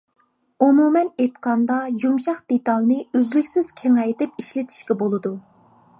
ئومۇمەن ئېيتقاندا يۇمشاق دېتالنى ئۈزلۈكسىز كېڭەيتىپ ئىشلىتىشكە بولىدۇ.